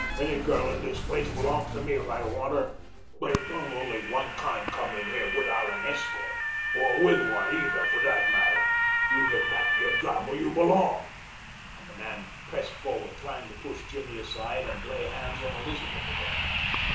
Any girl in this place belongs to me if I want her. There don't only one kind come in here without an escort, or with one, either, for that matter. You get back on your job, where you belong," and the man pressed forward trying to push Jimmy aside and lay hands on Elizabeth again.